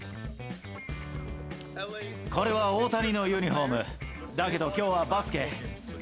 これは大谷のユニホーム、だけどきょうはバスケ。